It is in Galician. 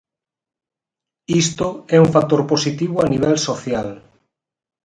Isto é un factor positivo a nivel social.